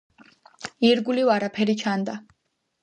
ირგვლივ არაფერი ჩანდა.